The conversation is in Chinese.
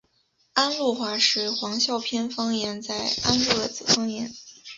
安陆话是黄孝片方言在安陆的子方言。